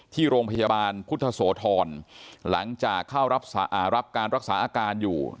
ที่โรงพยาบาลพุทธโสธรหลังจากเข้ารับการรักษาอาการอยู่